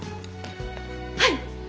はい！